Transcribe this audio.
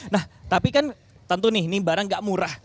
nah tapi kan tentu nih ini barang nggak murah